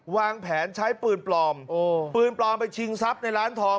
วางแผนใช้ปืนปลอมปืนปลอมไปชิงทรัพย์ในร้านทอง